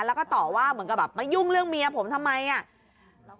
แล้วก็ต่อว่าเหมือนกับแบบมายุ่งเรื่องเมียผมทำไมอ่ะ